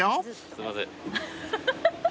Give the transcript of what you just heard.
すいません。